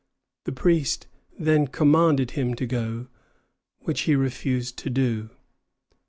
The priest then commanded him to go, which he refused to do.